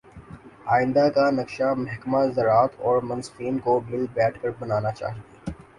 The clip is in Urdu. آئندہ کا نقشہ محکمہ زراعت اورمنصفین کو مل بیٹھ کر بنانا چاہیے